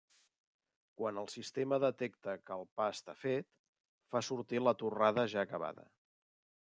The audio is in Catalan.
Quan el sistema detecta que el pa està fet, fa sortir la torrada ja acabada.